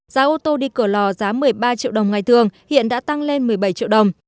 giá ô tô đi cửa lò giá một mươi ba triệu đồng ngày thường hiện đã tăng lên một mươi bảy triệu đồng